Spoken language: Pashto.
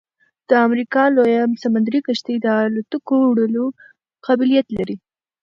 د امریکا لویه سمندري کشتۍ د الوتکو وړلو قابلیت لري